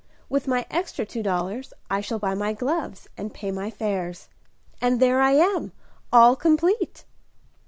With my extra two dollars I shall buy my gloves, and pay my fares, and there I am, all complete."